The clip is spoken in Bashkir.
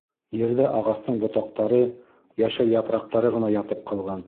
Ерҙә ағастың ботаҡтары, йәшел япраҡтары ғына ятып ҡалған.